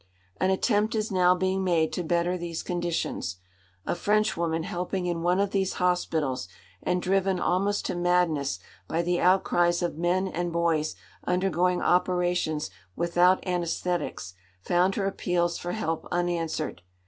An attempt is now being made to better these conditions. A Frenchwoman helping in one of these hospitals, and driven almost to madness by the outcries of men and boys undergoing operations without anæsthetics, found her appeals for help unanswered.